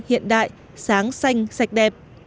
hiện đại sáng xanh sạch đẹp